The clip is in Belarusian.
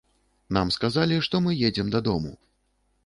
Нам сказалі, што мы едзем дадому.